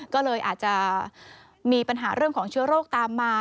ก็เลยอาจจะมีปัญหาเรื่องของเชื้อโรคตามมา